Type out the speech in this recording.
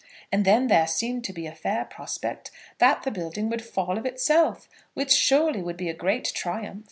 And then there seemed to be a fair prospect that the building would fall of itself, which surely would be a great triumph.